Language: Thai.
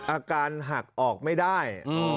อาการหักออกไม่ได้